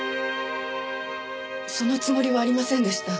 そのつもりはありませんでした。